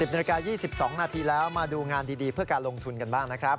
นาฬิกา๒๒นาทีแล้วมาดูงานดีเพื่อการลงทุนกันบ้างนะครับ